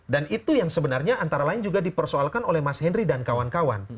dan itu yang sebenarnya antara lain juga dipersoalkan oleh mas henry dan kawan kawan